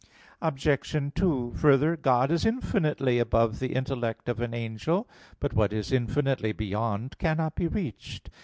Obj. 2: Further, God is infinitely above the intellect of an angel. But what is infinitely beyond cannot be reached.